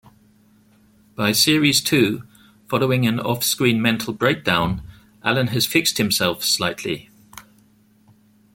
By series two, following an off-screen mental breakdown, Alan has fixed himself slightly.